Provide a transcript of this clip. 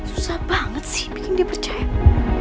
susah banget sih bikin dia percaya